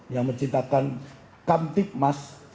yang menciptakan kamtik emas